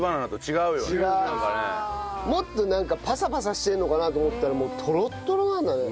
もっとなんかパサパサしてるのかなと思ったらとろっとろなんだね。